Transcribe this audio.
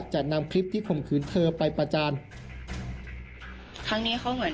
จะนำคลิปที่ข่มขืนเธอไปประจาน